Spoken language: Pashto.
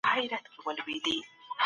دا اصول د ناروغانو خوندیتوب زیاتوي.